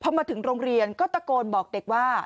พอมาถึงโรงเรียนก็ตะโกนบอกเด็กว่า